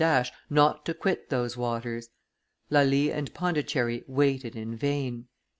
d'Ache not to quit those waters. Lally and Pondicherry waited in vain.